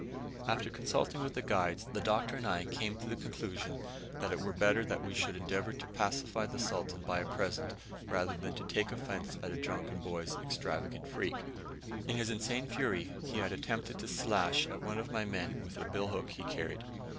After consulting with the guides, the Doctor and I came to the conclusion that it were better that we should endeavour to pacify the Sultan by a present, rather than take offence at a drunken boy's extravagant freak. In his insane fury he had attempted to slash at one of my men with a billhook he carried.